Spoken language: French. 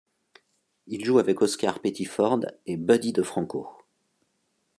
Il joue avec Oscar Pettiford et Buddy DeFranco.